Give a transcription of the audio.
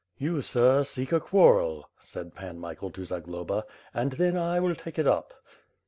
"You, sir, seek a quarrel," said Pan Michael to Zagloba, "and then I will take it up."